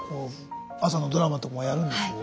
朝のドラマとかもやるんでしょう？